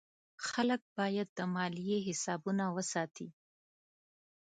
خلک باید د مالیې حسابونه وساتي.